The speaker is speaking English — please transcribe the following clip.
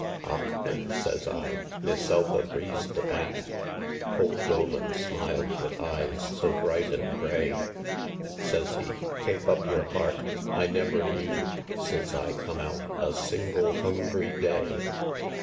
"Och, thin," says I, "meself agrees to that!" Ould Dolan smiled wid eyes so bright an' grey; Says he. "Kape up yer heart I never knew Since I come out a single hungry day!"